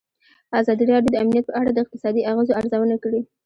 ازادي راډیو د امنیت په اړه د اقتصادي اغېزو ارزونه کړې.